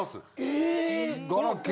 え。